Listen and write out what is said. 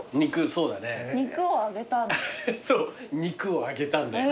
そう肉を揚げたんだよ。